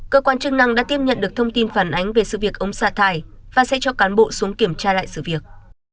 cơ quan chức năng đã tiếp nhận được thông tin phản ánh về sự việc ống xả thải và sẽ cho cán bộ xuống kiểm tra lại sự việc